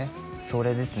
それですね